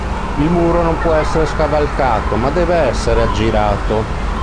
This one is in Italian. Il muro non può essere scavalcato ma deve essere aggirato.